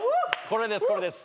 これです